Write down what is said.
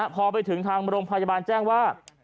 พอไปถึงทางโรงพยาบาลแจ้งว่า